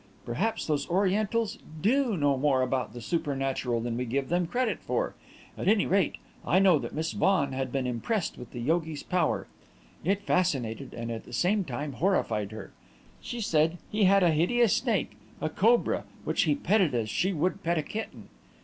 Perhaps those Orientals do know more about the supernatural than we give them credit for; at any rate, I know that Miss Vaughan had been impressed with the yogi's power. It fascinated and at the same time horrified her. She said he had a hideous snake, a cobra, which he petted as she would pet a kitten...."